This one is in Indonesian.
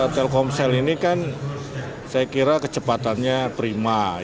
telkomsel ini kan saya kira kecepatannya prima